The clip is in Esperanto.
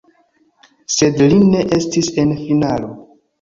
Sed li ne estis en finalo.